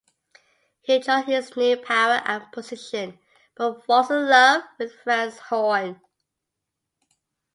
He enjoys his new power and position, but falls in love with France Horn.